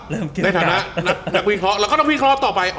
ในฐานะนักวิเคราะห์แล้วก็ต้องวิเคราะห์ต่อไป